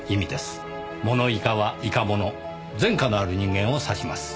モノイカはイカモノ前科のある人間を指します。